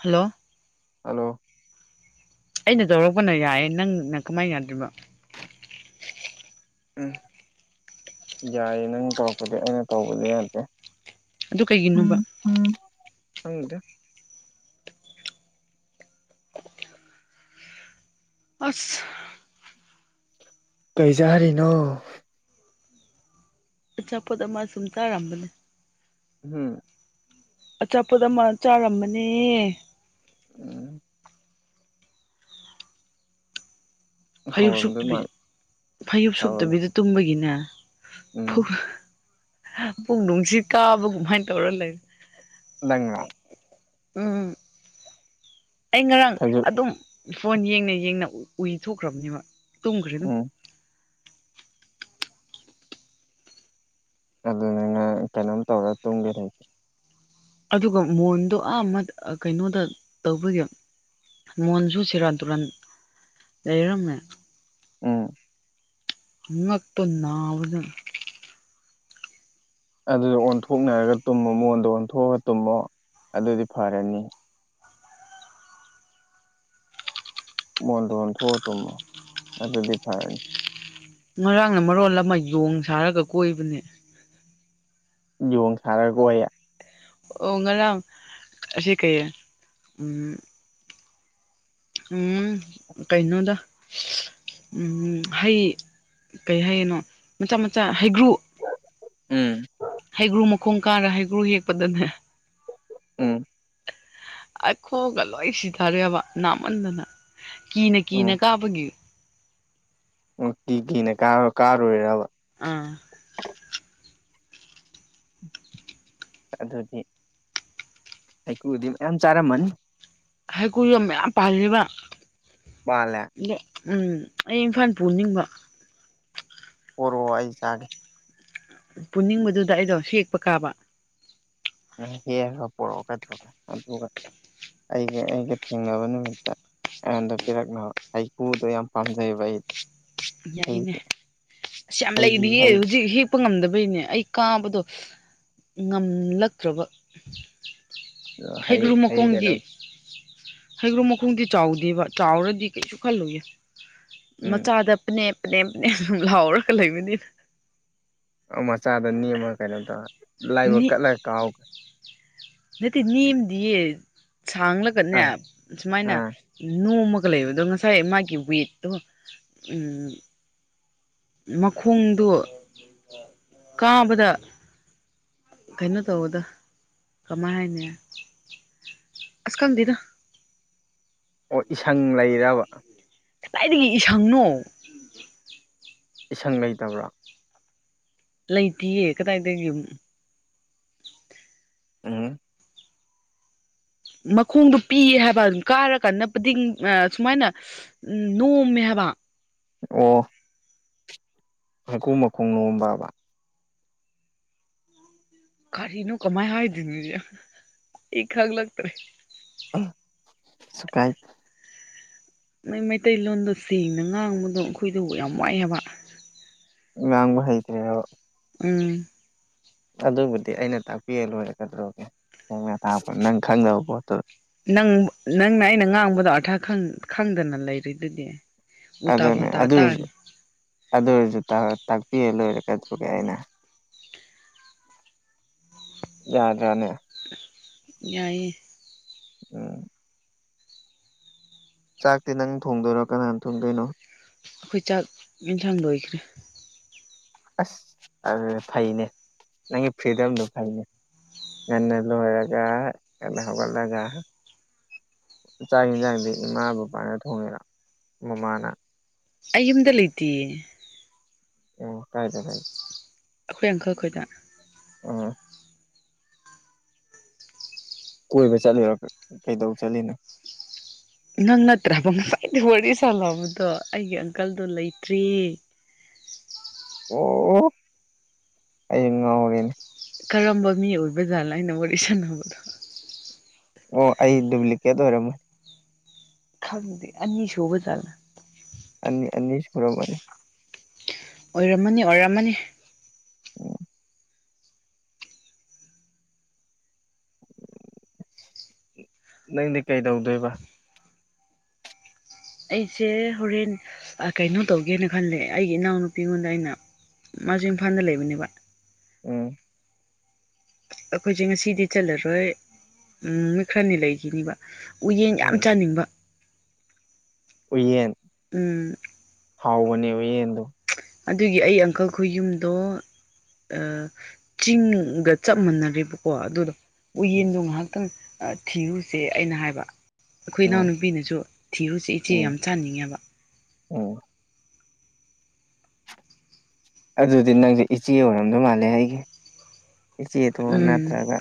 hello hello ꯑꯩꯅ ꯇꯧꯔꯛꯄꯅ ꯌꯥꯏ ꯅꯪꯅ ꯀꯃꯥꯏꯟ ꯌꯥꯗ꯭ꯔꯤꯕ ꯎꯝ ꯌꯥꯏꯌꯦ ꯅꯪ ꯇꯧꯔꯛꯄꯗꯤ ꯑꯩꯅ ꯇꯧꯕꯗꯤ ꯌꯥꯗꯦ ꯑꯗꯨ ꯀꯩꯒꯤꯅꯣꯕ ꯈꯪꯗꯦ ꯑ꯭ꯁ ꯀꯩꯆꯥꯔꯤꯅꯣ ꯑꯆꯥꯄꯣꯠ ꯑꯃ ꯁꯨꯝ ꯆꯥꯔꯝꯕꯅꯦ ꯎꯝ ꯑꯆꯥꯄꯣꯠ ꯑꯃ ꯆꯥꯔꯝꯕꯅꯦ ꯎꯝ ꯐꯩꯖꯨꯞ ꯍꯧꯔꯝꯗꯣꯏ ꯁꯨꯞꯇꯕꯤ ꯃꯥꯜ ꯐꯩꯖꯨꯞ ꯍꯧꯔꯝ ꯁꯨꯞꯇꯕꯤꯗ ꯇꯨꯝꯕꯒꯤꯅꯦ ꯎꯝ ꯐꯨ ꯄꯨꯛ ꯅꯨꯡꯁꯤꯠ ꯀꯥꯕ ꯒꯨꯃꯥꯏ ꯇꯧꯔ ꯂꯩ ꯅꯪꯔ ꯎꯝ ꯑꯩ ꯉꯔꯥꯡ ꯈꯖꯤꯛ ꯑꯗꯨꯝ ꯐꯣꯟ ꯌꯦꯡꯅ ꯌꯦꯡꯅ ꯎꯏ ꯊꯣꯛꯈ꯭ꯔꯕꯅꯦꯕ ꯇꯨꯝꯈꯔꯦ ꯑꯗꯨꯝ ꯎꯝ ꯑꯗꯨꯅꯦ ꯅꯪ ꯀꯩꯅꯣꯝ ꯇꯧꯔ ꯇꯨꯝꯒꯦ ꯂꯩ ꯑꯗꯨꯒ ꯃꯣꯟꯗꯣ ꯑꯥ ꯑꯃ ꯑꯥ ꯀꯩꯅꯣꯗ ꯇꯧꯕꯒꯤ ꯃꯣꯟꯁꯨꯨ ꯁꯦꯔꯥꯟ ꯇꯨꯔꯥꯟ ꯂꯩꯔꯝꯃꯦ ꯎꯝ ꯉꯛꯇꯣ ꯅꯥꯕꯗ ꯑꯗꯨ ꯑꯣꯟꯊꯣꯛꯅꯔꯒ ꯇꯨꯝꯃꯣ ꯃꯣꯟꯗꯣ ꯑꯣꯟꯊꯣꯛꯑ ꯇꯨꯝꯃꯣ ꯑꯗꯨꯗꯤ ꯐꯔꯅꯤ ꯃꯣꯟꯗꯣꯟ ꯑꯣꯟꯊꯣꯛꯑ ꯇꯨꯝꯃꯣ ꯑꯗꯨꯗꯤ ꯐꯔꯅꯤ ꯉꯔꯥꯡꯅ ꯃꯔꯣꯜ ꯑꯃ ꯌꯣꯡ ꯁꯥꯔꯒ ꯀꯣꯏꯕꯅꯦ ꯌꯣꯡ ꯁꯥꯔꯒ ꯀꯣꯏꯌꯦ ꯑꯣ ꯉꯔꯥꯛ ꯑꯁꯤ ꯀꯩꯌꯦ ꯎꯝ ꯎꯨꯝ ꯀꯩꯅꯣꯗ ꯎꯝ ꯍꯩ ꯀꯩ ꯍꯩꯅꯣ ꯃꯆꯥ ꯃꯆꯥ ꯍꯩꯒ꯭ꯔꯨ ꯎꯝ ꯍꯩꯒ꯭ꯔꯨ ꯃꯈꯣꯡ ꯀꯥꯔ ꯍꯩꯒ꯭ꯔꯨ ꯍꯦꯛꯄꯗꯅꯦ ꯎꯝ ꯑꯩ ꯈꯣꯒ ꯂꯣꯏ ꯁꯤꯊꯔꯦꯕ ꯅꯥꯃꯟꯗꯅ ꯀꯤꯅ ꯀꯤꯅ ꯀꯥꯕꯒꯤ ꯑꯣ ꯀꯤ ꯀꯤꯅ ꯀꯥꯔ ꯀꯥꯔꯨꯔꯦꯔꯕ ꯑꯥ ꯑꯗꯨꯗꯤ ꯍꯩꯀꯨꯗꯤ ꯃꯌꯥꯝ ꯆꯥꯔꯝꯃꯅꯤ ꯍꯩꯀꯨꯖ ꯃꯌꯥꯝ ꯄꯥꯂꯦꯕ ꯄꯥꯜꯂꯦ ꯎꯝ ꯑꯩ ꯏꯝꯐꯥꯟ ꯄꯨꯅꯤꯡꯕ ꯄꯔꯑꯣ ꯑꯩ ꯆꯥꯒꯦ ꯄꯨꯅꯤꯡꯕꯗꯨꯗ ꯑꯩꯗꯣ ꯍꯦꯛꯄ ꯀꯥꯕ ꯅꯪ ꯍꯦꯛꯑꯒ ꯄꯣꯔꯛꯑꯣ ꯀꯩꯗꯧꯔꯒꯦ ꯑꯗꯨꯒ ꯑꯩꯒ ꯑꯩꯒ ꯊꯦꯡꯅꯕ ꯅꯨꯃꯤꯠꯇ ꯑꯩꯉꯣꯟꯗ ꯄꯤꯔꯛꯅꯕ ꯍꯩꯀꯨꯗꯣ ꯌꯥꯝ ꯄꯥꯝꯖꯩꯑꯦꯕ ꯑꯩ ꯌꯥꯏꯅꯦ ꯑꯁ ꯌꯥꯝ ꯍꯩꯒꯤ ꯂꯩꯔꯤꯌꯦ ꯍꯩ ꯍꯧꯖꯤꯛ ꯍꯤꯞ ꯄ ꯉꯝꯗꯕꯩꯅꯦ ꯑꯩ ꯀꯥꯕꯗꯣ ꯉꯝꯂꯛꯇ꯭ꯔꯕ ꯍꯩ ꯍꯩꯒ꯭ꯔꯨ ꯍꯩ ꯀꯩꯅꯣ ꯃꯈꯣꯡꯒꯤ ꯍꯩꯒ꯭ꯔꯨ ꯃꯈꯣꯡꯗꯤ ꯆꯥꯎꯗꯦꯕ ꯆꯥꯎꯔꯗꯤ ꯀꯩꯁꯨ ꯈꯜꯂꯨꯅꯨ ꯎꯝ ꯃꯆꯥꯗ ꯅꯦꯞ ꯅꯦꯞꯅꯦꯝ ꯂꯥꯎꯔꯒ ꯂꯩꯕꯅꯤꯅ ꯑꯣ ꯃꯆꯥꯗ ꯅꯦꯝꯃ ꯀꯩꯅꯣ ꯇꯧꯔ ꯂꯥꯏꯕꯛ ꯅꯦ ꯀꯠꯂꯒ ꯀꯥꯎ ꯅꯠꯇꯦ ꯅꯦꯝꯗꯤꯌꯦ ꯁꯥꯡꯂꯒꯅꯦ ꯑꯥ ꯁꯨꯃꯥꯏꯅ ꯑꯥ ꯅꯣꯝꯃ ꯒ ꯂꯩꯕꯗꯣ ꯉꯁꯥꯏ ꯃꯥꯒꯤ ꯋꯦꯠꯇꯨ ꯎꯝ ꯃꯈꯣꯡꯗꯨ ꯀꯥꯕꯗ ꯀꯩꯅꯣ ꯇꯧꯕꯗꯣ ꯀꯃꯥꯏ ꯍꯥꯏꯅꯤ ꯑꯁ ꯈꯪꯗꯦꯗ ꯑꯣ ꯏꯁꯪ ꯂꯩꯔꯤꯔꯕ ꯀꯗꯥꯏꯗꯒꯤ ꯏꯁꯪꯅꯣ ꯏꯁꯪ ꯂꯩꯇꯕ꯭ꯔꯣ ꯂꯩꯇꯌꯦ ꯀꯗꯥꯏꯗꯒꯤ ꯌꯨꯝ ꯑꯝ ꯃꯈꯣꯡꯗꯣ ꯄꯤꯌꯦ ꯍꯥꯏꯕ ꯀꯥꯔ ꯀꯥꯟꯗ [unintelligible] ꯗꯤꯡ ꯑ ꯁꯨꯃꯥꯏꯅ [unintelligible] ꯎ ꯅꯣꯝꯃꯦ ꯍꯥꯏ [unintelligible] ꯑꯣ [unintelligible] ꯃꯈꯣꯡ ꯅꯣꯝꯕꯕ ꯀꯔꯤꯅꯣ ꯀꯃꯥꯏ ꯍꯥꯏꯗꯨ [unintelligible] ꯑꯩ ꯈꯡ ꯂꯛꯇ꯭ꯔꯦ ꯎꯃ ꯁꯨꯀꯥꯏ ꯅꯣꯏ ꯃꯩꯇꯩꯂꯣꯟꯗꯣ ꯁꯦꯡꯅ ꯉꯥꯡꯕꯗꯣ ꯑꯩꯈꯣꯏꯗꯣ ꯌꯥꯝ ꯋꯥꯏꯑꯦ ꯍꯥꯏꯕ ꯉꯥꯡꯕ ꯍꯩꯇ꯭ꯔꯤꯔꯕ ꯎꯝ ꯑꯗꯨꯕꯨꯗꯤ ꯑꯩꯅ ꯇꯥꯛꯄꯤꯌ ꯂꯣꯏꯔꯦ ꯀꯩꯗꯧꯔꯒꯦ [unintelligible] ꯇꯥꯛꯄ ꯅꯪ ꯈꯪꯗꯕ ꯄꯣꯠꯇꯨ ꯅꯪ ꯅꯪꯅ ꯑꯩꯅ ꯉꯥꯡꯕꯗꯣ ꯑꯔꯊꯥ ꯈꯪꯗꯅ ꯂꯩꯔꯤꯗꯨꯗꯤ ꯎꯜꯇꯥ ꯑꯗꯨꯅꯦ ꯐꯨꯜꯇꯥ ꯑꯗꯨ ꯑꯣꯏꯔꯁꯨ ꯇꯥꯅꯤ ꯑꯗꯨ ꯑꯣꯏꯔꯖꯨ ꯇꯥ ꯇꯥꯛ ꯄꯤꯔ ꯂꯣꯏꯔꯦ ꯀꯗꯧꯔꯒꯦ ꯑꯩꯅ ꯌꯥꯗ꯭ꯔꯅꯦ ꯌꯥꯏꯌꯦ ꯎꯝ ꯆꯥꯛꯇꯤ ꯅꯪ ꯊꯣꯡꯗꯣꯏꯔꯣ ꯀꯅꯥꯅ ꯊꯣꯡꯗꯣꯏꯅꯣ ꯑꯩꯈꯣꯏ ꯆꯥꯛ ꯌꯦꯟꯁꯥꯡ ꯂꯣꯏꯈ꯭ꯔꯦ ꯑꯁ ꯑꯗꯨꯗꯤ ꯐꯩꯅꯦ ꯅꯪꯒꯤ ꯐ꯭ꯔꯤꯗꯝꯗꯨ ꯐꯩꯅꯦ ꯉꯟꯅ ꯂꯣꯢꯔꯒ ꯉꯟꯅ ꯍꯧꯒꯠꯂꯒ ꯆꯥꯛ ꯌꯦꯟꯁꯥꯡꯗꯤ ꯏꯃꯥ ꯕꯕꯥꯅ ꯊꯣꯡꯉꯤꯔꯣ ꯃꯃꯥꯅ ꯑꯩꯌꯨꯝꯗ ꯂꯩꯇꯤꯌꯦ ꯥꯑꯣ ꯀꯥꯏꯗ ꯂꯩ ꯑꯈꯣꯏ ꯑꯪꯀꯜꯈꯣꯏꯗ ꯑ ꯀꯣꯏꯕ ꯆꯠꯂꯤꯔꯣ ꯀ ꯀꯩꯗꯧ ꯆꯠꯂꯤꯅꯣ ꯅꯪ ꯅꯠꯇ꯭ꯔꯕ ꯉꯁꯥꯏꯗꯩ ꯋꯥꯔꯤ ꯁꯥꯥꯟꯅꯕꯗꯣ ꯑꯩꯒꯤ ꯑꯪꯀꯜꯗꯣ ꯂꯩꯇ꯭ꯔꯦ [unintelligible] ꯑꯣ ꯑꯩ ꯉꯥꯎꯔꯦꯅꯦ ꯀꯔꯝꯕ ꯃꯤ ꯑꯣꯏꯕ ꯖꯥꯠꯂꯥ ꯑꯩꯅ ꯋꯥꯔꯤ ꯁꯥꯟꯅꯕꯗꯣ ꯑꯣ ꯑꯩ ꯗꯨꯄ꯭ꯂꯤꯀꯦꯠ ꯑꯣꯏꯔꯝꯅꯤ ꯈꯪꯗꯦ ꯑꯅꯤ ꯁꯨꯕ ꯖꯥꯠꯂ ꯑꯅꯤ ꯑꯅꯤꯁꯨꯔꯝꯃꯅꯤ ꯑꯣꯏꯔꯝꯃꯅꯤ ꯑꯣꯏꯔꯝꯃꯅꯤ ꯎꯝ ꯅꯪꯗꯤ ꯀꯩ ꯗꯧꯗꯣꯏꯕ ꯑꯩꯁꯦ ꯍꯣꯔꯦꯟ ꯑ ꯀꯩꯅꯣ ꯇꯧꯒꯦꯅ ꯈꯜꯂꯦ ꯑꯩꯒꯤ ꯏꯅꯥꯎꯅꯨꯄꯤ ꯑꯃꯗ ꯑꯩꯅ ꯃꯥꯁꯦ ꯏꯝꯐꯥꯜꯗ ꯂꯩꯕꯅꯦꯕ ꯎꯝ ꯑꯩꯈꯣꯏꯁꯦ ꯉꯁꯤꯗꯤ ꯆꯜꯂꯔꯣꯏ ꯎꯝ ꯅꯨꯃꯤꯠ ꯈꯔꯅꯤ ꯂꯩꯈꯤꯅꯤꯕ ꯎꯌꯦꯟ ꯌꯥꯝ ꯆꯥꯅꯤꯡꯕ ꯎꯏꯌꯦꯟ ꯎꯝ ꯍꯥꯎꯕꯅꯦ ꯎꯌꯦꯟꯗꯨ ꯑꯗꯨꯒꯤ ꯑꯩ ꯑꯪꯀꯜ ꯈꯣꯢ ꯌꯨꯝꯗꯣ ꯑꯥ ꯆꯤꯡꯒ ꯆꯞ ꯃꯥꯟꯅꯔꯦꯕꯀꯣ ꯑꯗꯨꯗꯣ ꯎꯌꯦꯟꯗꯣ ꯉꯥꯏꯍꯥꯛꯇꯪ ꯊꯤꯔꯨꯁꯦ ꯑꯩꯅ ꯍꯥꯏꯕ ꯑꯩꯈꯣꯏ ꯎꯝ ꯏꯅꯥꯎꯅꯨꯄꯤꯅꯁꯨ ꯊꯤꯔꯨꯁꯦ ꯏꯆꯦ ꯌꯥꯝ ꯆꯥꯅꯤꯡꯉꯦꯕ ꯑꯣ ꯑꯗꯨꯗꯤ ꯅꯪꯁꯦ ꯏꯆꯦ ꯑꯣꯏꯔꯝꯗꯧ ꯃꯥꯜꯂꯦ ꯑꯩꯒꯤ ꯏꯆꯦꯇꯣꯟ ꯎꯝ ꯅꯠꯇ꯭ꯔꯒ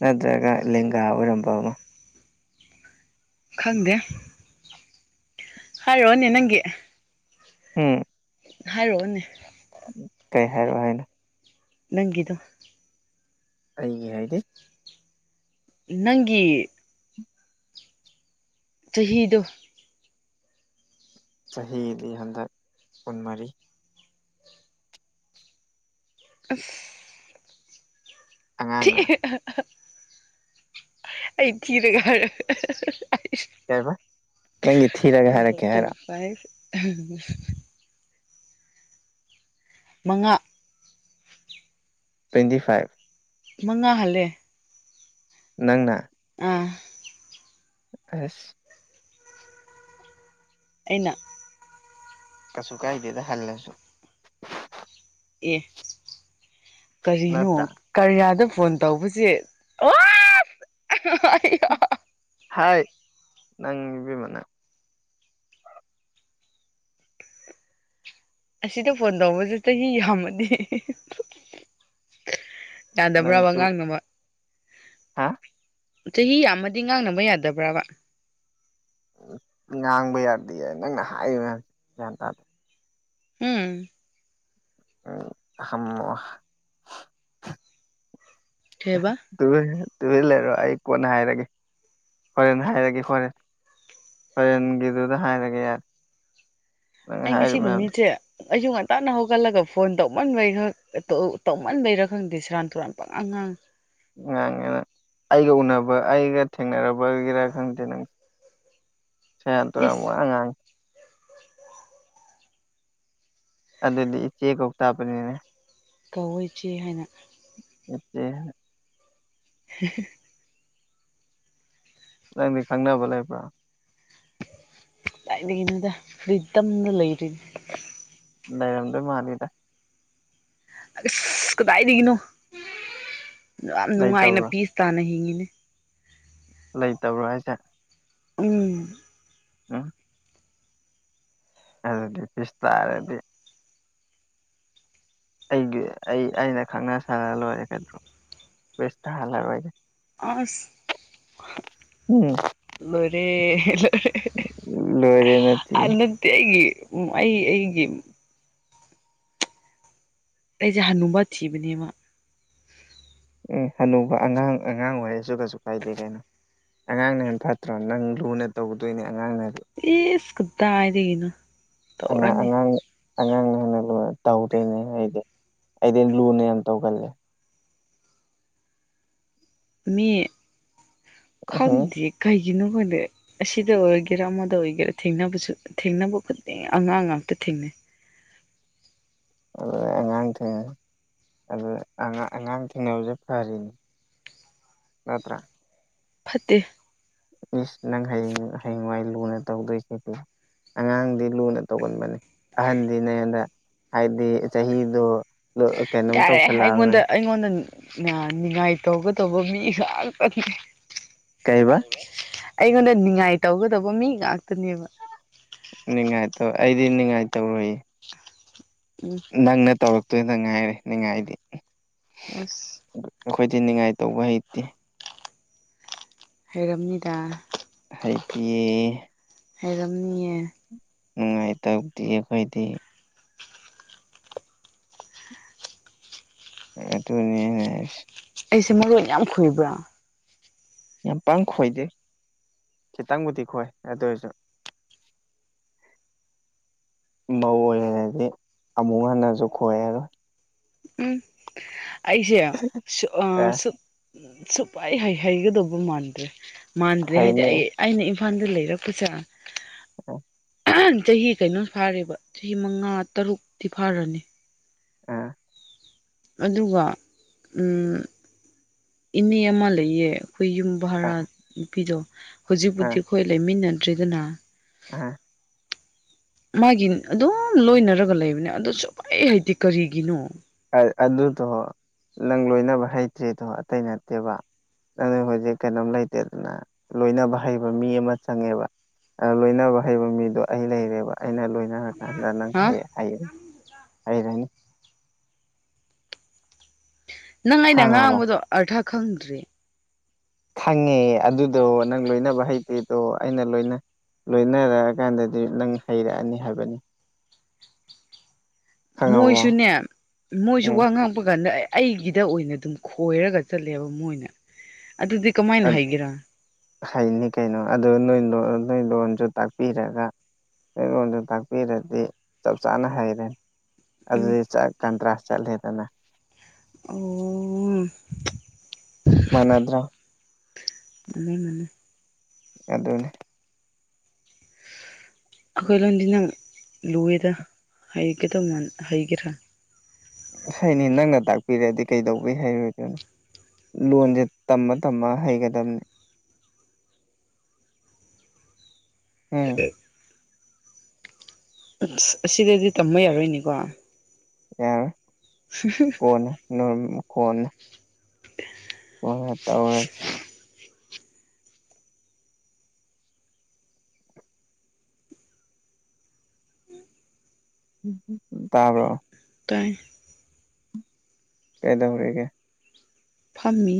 ꯅꯠꯇ꯭ꯔꯒ ꯂꯦꯡꯒꯥ ꯑꯣꯏꯔꯝꯕ ꯑꯃ ꯈꯪꯗꯦ ꯍꯥꯏ ꯔꯣꯅꯦ ꯅꯪꯒꯤ ꯎꯝ ꯍꯥꯏꯔꯛꯑꯣꯅꯦ ꯀꯩ ꯍꯥꯏꯔꯛꯑꯣ ꯍꯥꯏꯅꯣ ꯅꯪꯒꯤꯗꯣ ꯑꯩꯒꯤ ꯍꯥꯏꯗꯤ ꯅꯪꯒꯤ ꯆꯍꯤꯗꯣ ꯆꯍꯤꯗꯤ ꯍꯟꯗꯛ ꯀꯨꯟꯃꯔꯤ ꯑꯁ ꯊꯤ ꯑꯉꯥꯡꯔ ꯑꯍꯥ ꯑꯍꯥ ꯑꯩ ꯊꯤꯔꯒꯔ ꯑꯍꯥ ꯍꯥ ꯍꯥ ꯀꯩꯕ ꯅꯪꯒꯤ ꯊꯤꯔꯒ ꯍꯥꯏꯔꯛꯀꯦ ꯍꯥꯏꯔꯣ ꯎꯝ ꯃꯉꯥ ꯇ꯭ꯋꯦꯟꯇꯤ ꯐꯥꯏꯚ ꯃꯉꯥ ꯍꯜꯂꯦ ꯅꯪꯅ ꯑꯥ ꯑꯁ ꯑꯩꯅ ꯀꯁꯨ ꯀꯥꯏꯗꯦꯗ ꯍꯜꯂꯁꯨ ꯑꯦ ꯀꯔꯤꯅꯣ ꯅꯠꯇ꯭ꯔꯥ ꯀꯔꯤꯌꯥꯗ ꯐꯣꯟ ꯇꯧꯕꯁꯦ ꯑꯣꯁ ꯍꯥ ꯍꯥ ꯍꯥ ꯍꯥꯏꯠ ꯅꯪꯪ ꯏꯕꯦꯝꯃ ꯅꯪ ꯑꯁꯤꯗ ꯐꯣꯟ ꯇꯧꯕꯁꯦ ꯆꯍꯤ ꯌꯥꯝꯃꯗꯤ ꯍꯤ ꯍꯤ ꯍꯤ ꯌꯥꯗꯕ꯭ꯔꯕ ꯅꯪꯁꯨ ꯑꯉꯥꯡ ꯅꯣꯝꯕ ꯍꯥ ꯆꯍꯤ ꯌꯥꯝꯃꯗꯤ ꯉꯥꯡꯅꯕ ꯌꯥꯗꯕ꯭ꯔꯕ ꯉꯥꯡꯕ ꯌꯥꯗꯦ ꯅꯪꯅ ꯍꯥꯏꯔꯤꯕ ꯃꯌꯥꯝꯁꯦ ꯒ꯭ꯌꯥꯟ ꯇꯥ ꯎꯝ ꯎꯝ ꯊꯝꯃꯣ ꯀꯩꯕ ꯑꯗꯨꯗꯩ ꯇꯨꯃꯤꯟ ꯂꯩꯔꯣ ꯑꯩ ꯀꯣꯟꯅ ꯍꯥꯏꯔꯒꯦ ꯍꯣꯔꯦꯟ ꯍꯥꯏꯔꯒꯦ ꯍꯣꯔꯦꯟ ꯍꯣꯔꯦ ꯟꯡꯒꯤꯗꯨꯗ ꯍꯥꯏꯔꯒꯦ ꯌꯥꯔꯦ ꯅꯪ ꯑꯩ ꯉꯁꯤ ꯍꯥꯏꯔꯤꯕ ꯃꯌꯥꯝꯗꯣ ꯅꯨꯃꯤꯠꯁꯦ ꯑꯩꯁꯨꯨ ꯉꯟꯇꯥꯅ ꯍꯧꯒꯠꯂꯒ ꯐꯣꯟ ꯇꯧꯃꯟꯕꯩ ꯇꯧꯃꯟꯕꯩꯔꯥ ꯈꯪꯗꯦ ꯁꯦꯔꯥꯟ ꯇꯨꯔꯥꯟ ꯄꯪꯉꯥꯡ ꯎꯝ ꯉꯥꯡꯉꯦ ꯅꯪ ꯑꯩꯒ ꯎꯅꯕ ꯑꯩꯒ ꯊꯦꯡꯅꯔꯕꯒꯤꯔꯥ ꯈꯪꯗꯦ ꯅꯪ ꯁꯦꯔꯥꯟ ꯇꯨꯔꯥꯟ ꯏꯁ ꯋꯥ ꯉꯥꯡꯉꯦ ꯑꯗꯨꯗꯤ ꯏꯆꯦ ꯀꯧ ꯇꯥꯕꯅꯤꯅꯦ ꯀꯧꯋꯣ ꯏꯆꯦ ꯍꯥꯏꯅ ꯅꯠꯇꯦ ꯍꯤ ꯍꯤ ꯍꯤ ꯅꯪꯗꯤ ꯈꯪꯅꯕ ꯂꯩꯕ꯭ꯔꯥ ꯀꯥꯏꯗꯒꯤꯅꯣꯗ ꯐꯔꯤꯇꯝꯅ ꯂꯩꯔꯤꯅꯤ ꯅꯩꯔꯝꯗꯩ ꯃꯥꯜꯂꯤꯗ ꯑꯁ ꯀꯗꯥꯏꯗꯒꯤꯅꯣ ꯌꯥꯝ ꯅꯨꯡꯉꯥꯏꯅ ꯂꯩꯇꯕ꯭ꯔꯣ ꯄꯤꯁ ꯇꯥꯅ ꯍꯤꯡꯉꯤ [inaudible] ꯂꯩꯇꯕ꯭ꯔꯣ ꯍꯥꯏꯁꯦ ꯎꯝ [inaudible] ꯑꯗꯨꯗꯤ ꯄꯤꯁ ꯇꯥꯔꯗꯤ ꯑꯩꯒꯤ ꯑꯩ ꯑꯩꯅ ꯈꯪꯅꯥꯁꯜꯂꯂꯣꯏꯔꯦ ꯀꯩꯗꯧꯔꯒꯦ ꯄꯤꯁ ꯇꯥꯍꯜꯂꯔꯣꯏꯒꯦ ꯑꯁ ꯎꯝ ꯂꯣꯏꯔꯦ ꯂꯣꯏꯔꯦ ꯅꯠꯇꯦ ꯅꯠꯇꯦ ꯑꯩꯒꯤ ꯑꯩ ꯑꯩꯒꯤ ꯑꯩꯁꯦ ꯍꯥꯅꯨꯕ ꯊꯤꯕꯅꯦꯕ ꯑꯦ ꯍꯅꯨꯕ ꯑꯉꯥꯡ ꯑꯉꯥꯡ ꯑꯣꯏꯔꯁꯨ ꯀꯩꯁꯨ ꯀꯥꯏꯗꯦ ꯀꯩꯅꯣ ꯑꯉꯥꯡꯅ ꯍꯦꯟꯅ ꯐꯠꯇ꯭ꯔꯣ ꯅꯪ ꯂꯨꯅ ꯇꯧꯒꯗꯣꯏꯅꯦ ꯑꯉꯥꯡꯅ ꯏꯁ ꯀꯗꯥꯏꯗꯒꯤꯅꯣ ꯑꯉꯥꯡ ꯇꯧꯔꯅꯤ ꯑꯉꯥꯡ ꯑꯉꯥꯡꯅ ꯇꯧꯗꯣꯏꯅꯦ ꯑꯩꯗꯤ ꯑꯩꯗꯤ ꯂꯨꯅ ꯌꯥꯝ ꯇꯧꯒꯜꯂꯦ ꯃꯤ ꯎꯝꯍꯨꯝ ꯈꯪꯗꯦ ꯀꯩ ꯒꯤꯅꯣ ꯈꯪꯗꯦ ꯑꯁꯤꯗ ꯑꯣꯏꯒꯦꯔꯥ ꯑꯃꯗ ꯑꯣꯏꯒꯦꯔꯥ ꯊꯦꯡꯅꯕꯁꯨ ꯊꯦꯡꯅꯕ ꯈꯨꯗꯤꯡ ꯑꯉꯥꯡ ꯉꯛꯇ ꯊꯦꯡꯅꯩ ꯑꯗꯨꯗ ꯑꯉꯥꯡ ꯊꯦꯡꯅꯩ ꯑꯗꯨ ꯑꯉꯥꯡ ꯊꯦꯡꯅꯕꯁꯦ ꯐꯔꯤꯅꯤ ꯅꯠꯇ꯭ꯔꯥ ꯐꯠꯇꯦ ꯏꯁ ꯅꯪ ꯍꯌꯦꯡ ꯍꯌꯦꯡꯋꯥꯏ ꯂꯨꯅ ꯇꯧꯗꯣꯏꯁꯤꯗꯤ ꯑꯉꯥꯡꯗꯤ ꯂꯨꯅ ꯇꯧꯒꯟꯕꯅꯦ ꯑꯍꯟꯗꯤ ꯅꯪꯉꯣꯟꯗ ꯍꯥꯏꯗꯤ ꯆꯍꯤꯗꯣ ꯀꯩꯅꯣꯝ ꯌꯥꯔꯦ ꯑꯩꯉꯣꯟꯗ ꯇꯧꯁꯜꯂꯛꯑꯔꯣꯏ ꯑꯩꯉꯣꯟꯗ ꯅꯤꯉꯥꯏ ꯇꯧꯒꯗꯧꯕ ꯃꯤꯁꯨ [unintelligible] ꯀꯩꯕ ꯑꯩꯉꯣꯟꯗ ꯅꯤꯉꯥꯏ ꯇꯧꯒꯗꯧꯕ ꯃꯤ ꯉꯥꯛꯇꯅꯦꯕ ꯅꯤꯡꯉꯥꯏ ꯇꯧ ꯑꯩꯗꯤ ꯅꯤꯡꯉꯥꯏ ꯇꯧꯔꯣꯌꯦ ꯎꯝ ꯅꯪꯅ ꯇꯧꯔꯛꯇꯣꯏꯅ ꯉꯥꯏꯔꯦ ꯅꯤꯡꯉꯥꯏꯗꯤ ꯑꯁ ꯑꯩꯈꯣꯏꯗꯤ ꯅꯤꯡꯉꯥꯏ ꯇꯧꯕ ꯍꯩꯇꯦ ꯍꯩꯔꯝꯅꯤꯗꯥ ꯍꯩꯇꯤꯌꯦ ꯍꯩꯔꯝꯅꯤꯌꯦ ꯅꯨꯡꯉꯥꯏ ꯇꯧꯗꯤꯌꯦ ꯑꯈꯣꯏꯗꯤ ꯑꯗꯨꯅꯤ ꯑꯩꯅ ꯍꯥꯏꯁꯦ ꯑꯩꯁꯦ ꯃꯔꯣꯟ ꯌꯥꯝ ꯈꯣꯏꯕ꯭ꯔ ꯌꯥꯝ ꯄꯥꯛ ꯈꯣꯏꯗꯦ ꯈꯤꯇꯪꯕꯨꯗꯤ ꯈꯣꯏ ꯑꯗꫭꯏꯖꯨ ꯃꯧ ꯑꯣꯏꯔꯗꯤ ꯑꯃꯨꯛ ꯍꯟꯅꯖꯨ ꯈꯣꯏꯔꯔꯣꯏ ꯎꯝ ꯑꯩꯁꯦ ꯑꯦ [unintelligible] ꯁꯨꯄꯩ ꯍꯩꯒꯗꯧꯕ ꯃꯥꯟꯗ꯭ꯔꯦ ꯃꯥꯟꯗ꯭ꯔꯦ ꯍꯥꯏꯗꯤ ꯐꯩꯅꯦ ꯑꯩ ꯑꯩꯅ ꯏꯝꯐꯥꯜꯗ ꯂꯩꯔꯛꯄꯁꯦ [inaudible] [unintelligible] ꯆꯍꯤ ꯀꯩꯅꯣ ꯐꯥꯔꯦꯕ ꯆꯍꯤ ꯃꯉꯥ ꯇꯔꯨꯛꯇꯤ ꯐꯥꯔꯅꯤ ꯑꯥ ꯑꯗꯨꯒ ꯏꯅꯦ ꯑꯃ ꯂꯩꯌꯦ ꯈꯣꯏ ꯌꯨꯝ ꯕꯔꯥ ꯑꯥ ꯅꯨꯄꯤꯗꯣ ꯑꯥ ꯍꯨꯖꯤꯛꯄꯨꯗꯤ ꯈꯣꯏ ꯂꯩꯃꯤꯟꯅꯗ꯭ꯔꯦꯗꯅ ꯑꯥ ꯃꯥꯒꯤ ꯑꯗꯨꯝ ꯂꯣꯏꯅꯔꯒ ꯂꯩꯕꯅꯦ ꯑꯗꯨ ꯁꯨꯍꯩ ꯍꯩꯇꯦ ꯀꯔꯤꯒꯤꯅꯣ ꯑꯗꯨꯗꯣ ꯅꯪ ꯂꯣꯏꯅꯕ ꯍꯩꯇ꯭ꯔꯤꯗꯣ ꯑꯇꯩ ꯅꯠꯇꯦꯕ ꯅꯪꯅ ꯍꯧꯖꯤꯛ ꯀꯩꯅꯣꯝ ꯂꯩꯇꯦꯗꯅ ꯂꯣꯏꯅꯕ ꯍꯩꯕ ꯃꯤ ꯑꯃ ꯆꯪꯉꯦꯕ ꯑ ꯂꯣꯏꯅꯕ ꯍꯩꯕ ꯃꯤꯗꯣ ꯑꯩ ꯂꯩꯔꯦꯕ ꯑꯩꯅ ꯂꯣꯏꯅ ꯑꯗ ꯅꯪ ꯍꯥ ꯍꯩ ꯍꯩ ꯍꯩꯔꯅꯤ ꯅꯪ ꯑꯩꯅ ꯈꯪꯉꯕ ꯉꯥꯡꯕꯗꯣ ꯑꯥꯔꯊ ꯈꯪꯗ꯭ꯔꯦ ꯈꯪꯉꯦ ꯑꯗꯨꯗꯣ ꯅꯪ ꯂꯣꯏꯅꯕ ꯍꯩꯇꯦꯗꯣ ꯑꯩꯅ ꯂꯣꯏꯅ ꯂꯣꯏꯅꯔꯑꯀꯥꯟꯗꯗꯤ ꯅꯪ ꯍꯩꯔꯛꯑꯅꯤ ꯍꯥꯏꯕꯅꯤ ꯈꯪꯉꯕꯣ ꯃꯣꯏꯁꯨꯅꯦ ꯃꯣꯏꯁꯨ ꯎꯝ ꯋꯥ ꯉꯥꯡꯕ ꯀꯥꯟꯗ ꯑꯩꯒꯤꯗ ꯑꯣꯏꯅ ꯑꯗꯨꯝ ꯈꯣꯏꯔꯒ ꯆꯠꯂꯦꯕ ꯃꯣꯏꯅ ꯑꯗꯨꯗꯤ ꯀꯝꯃꯥꯏꯅ ꯍꯩꯒꯦꯔ ꯍꯩꯅꯤ ꯀꯩꯅꯣ ꯑꯗꯨ ꯅꯣꯏ ꯂꯣꯟ ꯅꯣꯏ ꯂꯣꯟꯖꯨ ꯇꯥꯛꯄꯤꯔꯒ ꯑꯩꯉꯣꯟꯗ ꯇꯥꯛꯄꯤꯔꯗꯤ ꯆꯞ ꯆꯥꯅ ꯍꯩꯔꯅꯤ ꯎꯝ ꯑꯗꯨꯗꯤ ꯆꯛ ꯀꯟꯇ꯭ꯔꯥꯁ ꯆꯠꯂꯦꯗꯅ ꯑꯣ ꯃꯥꯟꯅꯗ꯭ꯔꯣ ꯃꯥꯅꯦ ꯃꯥꯅꯦ ꯑꯗꯨꯅꯦ [unintelligible] ꯑꯈꯣꯏ ꯂꯣꯟꯗꯤ ꯅꯪ ꯂꯨꯏꯗ ꯍꯩꯒꯗꯧ ꯃꯥꯟ ꯍꯩꯒꯦꯔ ꯍꯩꯅꯤ ꯅꯪꯅ ꯇꯥꯛꯄꯤꯔꯗꯤ ꯀꯩꯗꯧꯕꯩ ꯍꯩꯔꯣꯏꯗꯣꯏꯅꯣ ꯂꯣꯟꯗꯤ ꯇꯝꯃ ꯇꯝꯃ ꯍꯩꯒꯗꯞꯅꯦ ꯎꯝ ꯑꯁ ꯑꯁꯤꯗꯗꯤ ꯇꯝꯕ ꯌꯥꯔꯣꯏꯅꯦꯀꯣ ꯌꯥꯔꯣꯏ ꯀꯣꯟꯅ ꯅꯣꯏ ꯀꯣꯟꯅ ꯀꯣꯟꯅ ꯇꯧꯔꯁꯤ ꯇꯥꯕ꯭ꯔꯣ ꯇꯥꯏ ꯀꯩꯗꯧꯔꯤꯒꯦ ꯐꯝꯃꯤ